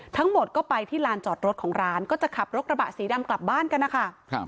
ทั้งหมดก็ไปที่ลานจอดรถของร้านก็จะขับรถกระบะสีดำกลับบ้านกันนะคะ